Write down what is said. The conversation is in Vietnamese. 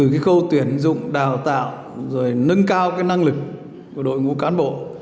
cô tuyển dụng đào tạo rồi nâng cao cái năng lực của đội ngũ cán bộ